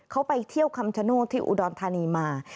เขาไปเที่ยวคำชโนธที่อุดรธานีมา